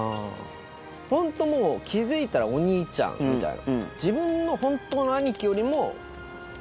ホントもう気付いたらお兄ちゃんみたいな。